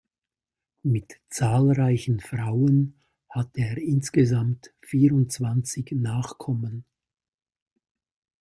Mit zahlreichen Frauen hatte er insgesamt vierundzwanzig Nachkommen.